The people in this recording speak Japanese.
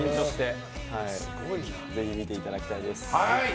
ぜひ見ていただきたいです。